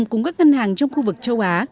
cùng các ngân hàng trong khu vực châu á